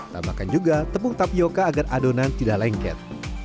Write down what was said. tambahkan juga tepung tapioca agar adonan tidak lengket